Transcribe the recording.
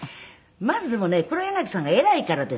まずでもね黒柳さんが偉いからですよ。